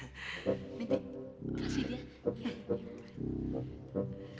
nipi kasih dia